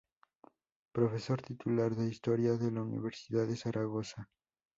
Profesor Titular de Historia de la Universidad de Zaragoza.